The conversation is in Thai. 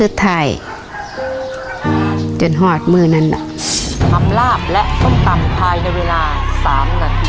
ได้หรือไม่ได้ครับ